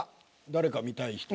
誰か見たい人。